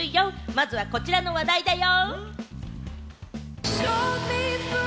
まずは、こちらの話題だよ。